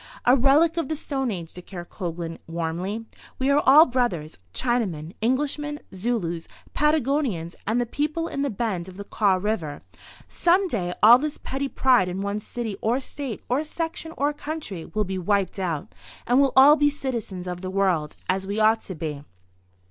"A relic of the stone age," declared Coglan, warmly. "We are all brothers—Chinamen, Englishmen, Zulus, Patagonians and the people in the bend of the Kaw River. Some day all this petty pride in one's city or State or section or country will be wiped out, and we'll all be citizens of the world, as we ought to be."